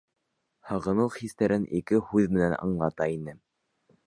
Һағыныу хистәрен ике һүҙ менән аңлата ине.